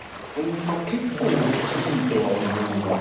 まあ結構大きいとは思います。